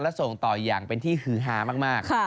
และส่งต่ออย่างเป็นที่ฮือฮามาก